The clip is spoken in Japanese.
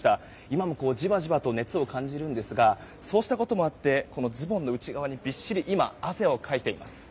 今もじわじわと熱を感じるんですがそうしたこともあってズボンの内側にびっしり今、汗をかいています。